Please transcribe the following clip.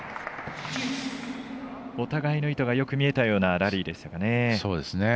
お互いの意図がよく見えたようなラリーでしたかね。